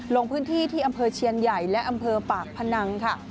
ลงพื้นที่ที่อำเภอเชียนใหญ่และอำเภอปากพนังค่ะ